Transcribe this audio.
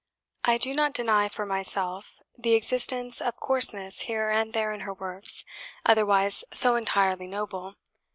I do not deny for myself the existence of coarseness here and there in her works, otherwise so entirely noble.